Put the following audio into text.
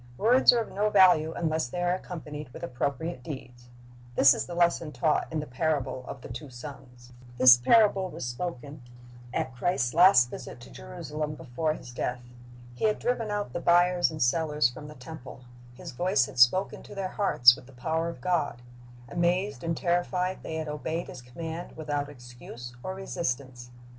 "^ Words are of no value unless they are accompanied with appropriate deeds. This is the lesson taught in the parable of the two sons. This parable was spoken at Christ's last visit to Jerusalem (272) Based on Matt. 21 : 23 32 1 Matt. 7:21 " Matt. 5 : 47 ^ John 13:17 S a J' i ng and D oi 7ig 273 before His death. He had driven out the buyers and sellers from the temple. His voice had spoken to their hearts with the power of God. Amazed and terrified, they had obeyed His command without excuse or resistance.